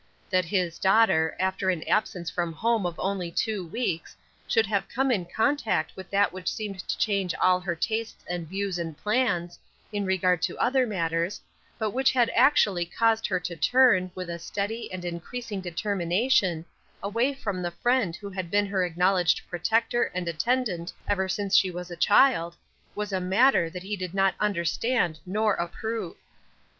That his daughter, after an absence from home of only two weeks, should have come in contact with that which seemed to change all her tastes and views and plans, in regard to other matters, but which had actually caused her to turn, with a steady and increasing determination, away from the friend who had been her acknowledged protector and attendant ever since she was a child, was a matter that he did not understand nor approve.